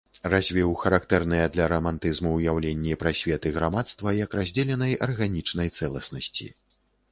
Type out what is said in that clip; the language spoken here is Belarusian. Развіў характэрныя для рамантызму ўяўленні пра свет і грамадства як раздзеленай арганічнай цэласнасці.